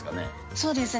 そうですね。